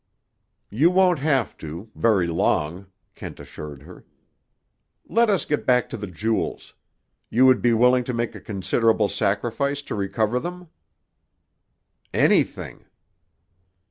"You won't have to, very long," Kent assured her. "Let us get back to the jewels. You would be willing to make a considerable sacrifice to recover them?" "Anything!"